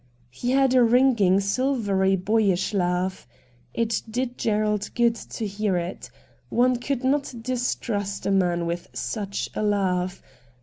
He had a ringing, silvery, boyish laugh. It did Gerald good to hear it. One could not distrust a man with such a laugh.